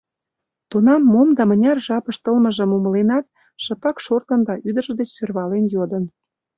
Тунам мом да мыняр жап ыштылмыжым умыленат, шыпак шортын да ӱдыржӧ деч сӧрвален йодын: